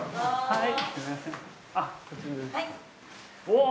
はい。